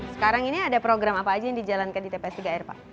sekarang ini ada program apa aja yang dijalankan di tps tiga r pak